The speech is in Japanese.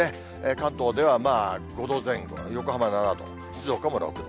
関東では５度前後、横浜７度、静岡も６度。